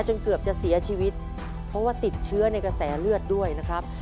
จนเกือบจะเสียชีวิตเพราะว่าติดเชื้อในกระแสเลือดด้วยนะครับ